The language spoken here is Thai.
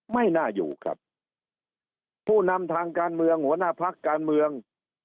ไม่น่าอยู่ครับผู้นำทางการเมืองหัวหน้าพักการเมือง